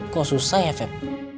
kok susah ya feb